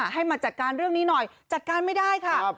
ให้มาจัดการเรื่องนี้หน่อยจัดการไม่ได้ค่ะ